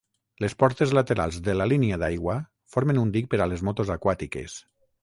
Les portes laterals de la línia d'aigua formen un dic per a les motos aquàtiques.